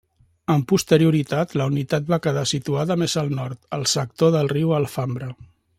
Amb posterioritat la unitat va quedar situada més al nord, al sector del riu Alfambra.